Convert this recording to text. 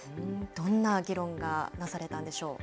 どんな議論がなされたんでしょう。